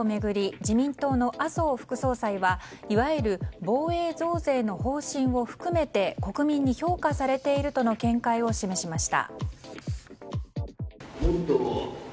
自民党の麻生副総裁はいわゆる防衛増税の方針を含めて国民に評価されているとの見解を示しました。